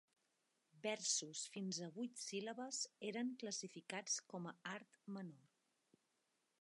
Versos fins a vuit síl·labes eren classificats com a art menor.